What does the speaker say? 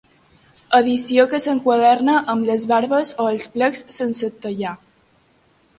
Edició que s'enquaderna amb les barbes o els plecs sense tallar.